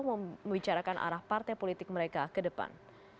membicarakan arah partai politik mereka ke depan